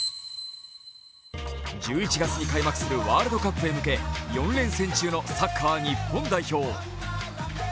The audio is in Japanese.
１１月に開幕するワールドカップへ向け４連戦中のサッカー日本代表。